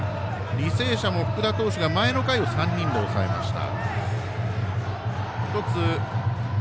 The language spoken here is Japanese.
履正社も、福田投手が前の回を３人で抑えました。